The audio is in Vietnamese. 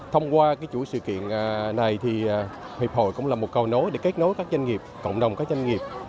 thông qua chủ sự kiện này thì hiệp hội cũng là một cầu nối để kết nối các doanh nghiệp cộng đồng các doanh nghiệp